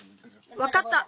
わかった。